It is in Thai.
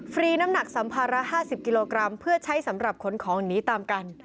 รีน้ำหนักสัมภาระ๕๐กิโลกรัมเพื่อใช้สำหรับขนของหนีตามกัน